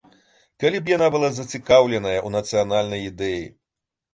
Калі б яна была зацікаўленая ў нацыянальнай ідэі.